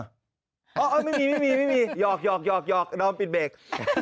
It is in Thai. อ้าวไม่มีหยอกน้องปิดเบรก